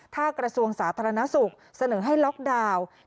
ถ้ากระทรวงสาธารณสุขเสนอให้ล็อกดาวน์